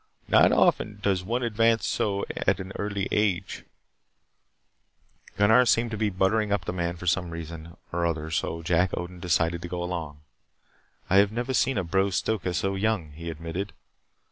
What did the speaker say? Not often does one advance so at an early age " Gunnar seemed to be buttering up the man for some reason or other so Jack Odin decided to go along. "I have never seen a Bro Stoka so young," he admitted.